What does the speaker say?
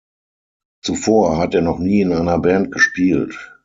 Zuvor hat er noch nie in einer Band gespielt.